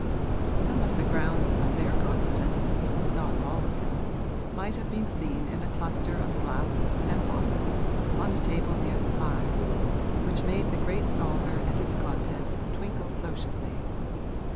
Some of the grounds of their confidence not all of them might have been seen in a cluster of glasses and bottles on a table near the fire, which made the great salver and its contents twinkle sociably.